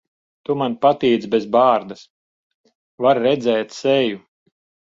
Tu man patīc bez bārdas. Var redzēt seju.